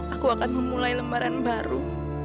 aku akan memulai lembaran baru